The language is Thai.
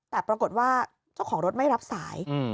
แต่ปรากฏว่าเจ้าของรถไม่รับสาย